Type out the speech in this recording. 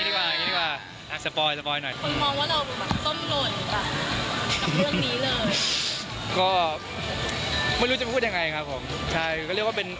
ก็ไม่รู้ถึงจะพูดยังไงครับผม